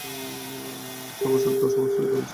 সবসুদ্ধ সমস্ত ঘরের চেহারা অন্যরকম।